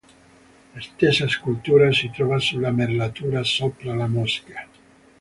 La stessa scultura si trova sulla merlatura sopra la moschea.